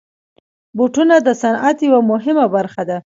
بوټونه د صنعت یوه مهمه برخه ده.